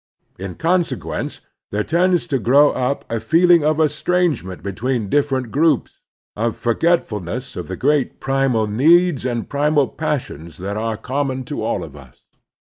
In cpnsequence there tends to grow up a feeling of estrangement between different groups, of forgetfulness of the great primal needs and primal passions that are common to all of us.